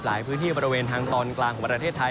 พื้นที่บริเวณทางตอนกลางของประเทศไทย